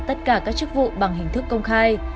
tất cả các chức vụ bằng hình thức công khai